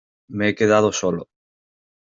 me he quedado solo